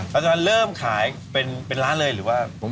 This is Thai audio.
แล้วจะเริ่มขายเป็นร้านเลยหรือว่า